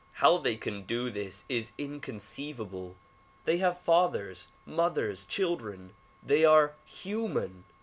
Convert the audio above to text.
How they can do this is inconceivable. They have fathers, mothers, children; they are human.